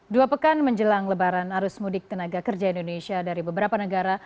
dua pekan menjelang lebaran arus mudik tenaga kerja indonesia dari beberapa negara